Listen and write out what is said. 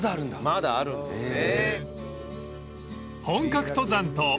まだあるんですね。